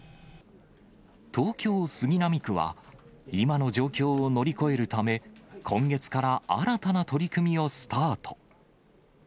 東京・杉並区は、今の状況を乗り越えるため、今月から新たな取り組みをスタート。